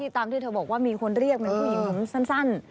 ตามที่เธอบอกว่ามีคนเรียกเป็นผู้หญิงสั้น